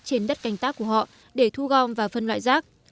trên đất canh tác của họ để thu gom và phân loại rác